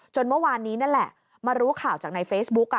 เมื่อวานนี้นั่นแหละมารู้ข่าวจากในเฟซบุ๊ก